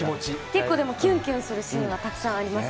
結構でも、キュンキュンするシーンはたくさんあります。